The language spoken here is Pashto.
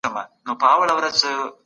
کمپيوټر ګېم ډاونلوډوي.